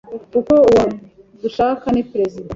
kuko uwo dushaka ni Perezida